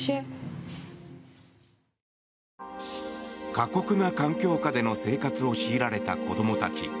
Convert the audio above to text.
過酷な環境下での生活を強いられた子供たち。